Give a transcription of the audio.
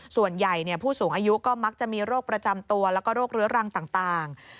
ส่วนใหญ่ผู้สูงอายุก็มักจะมีโรคประจำตัวแล้วก็โรคเรื้อรังต่าง